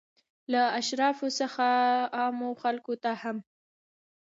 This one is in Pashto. له اشرافو څخه عامو خلکو ته هم.